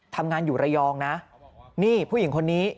ทำงานอยู่ระยองนะนี่ผู้หญิงคนนี้